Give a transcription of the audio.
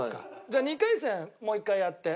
じゃあ２回戦もう一回やって。